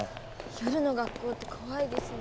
夜の学校って怖いですね。